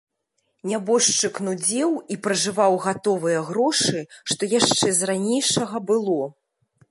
Нябожчык нудзеў і пражываў гатовыя грошы, што яшчэ з ранейшага было.